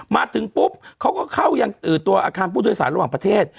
มาถึงปุ๊บเขาก็เข้ายังตัวอาคารผู้โดยสารระหว่างประเทศ